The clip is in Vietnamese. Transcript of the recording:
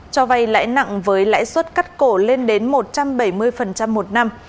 cho vay lãi nặng với lãi suất cắt cổ lên đến một trăm bảy mươi một năm